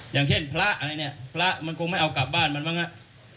อย่างเช่นพระอะไรเนี่ยพระมันคงไม่เอากลับบ้านมันบ้างอ่ะ